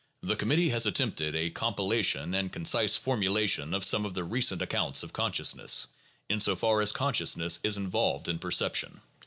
The committee has attempted a compilation and concise formulation of some of the recent accounts of consciousness (in so far as consciousness is in volved in perception).